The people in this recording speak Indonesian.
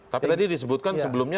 tapi tadi disebutkan sebelumnya